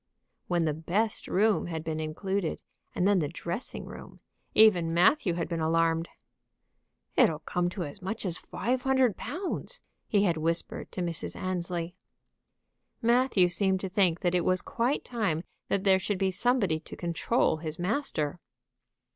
When the best room had been included, and then the dressing room, even Matthew had been alarmed. "It'll come to as much as five hundred pounds!" he had whispered to Mrs. Annesley. Matthew seemed to think that it was quite time that there should be somebody to control his master.